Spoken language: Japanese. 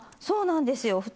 そうなんですよ。